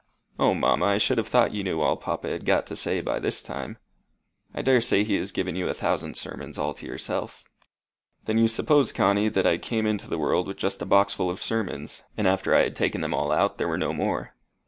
"O, mamma! I should have thought you knew all papa had got to say by this time. I daresay he has given you a thousand sermons all to yourself." "Then you suppose, Connie, that I came into the world with just a boxful of sermons, and after I had taken them all out there were no more.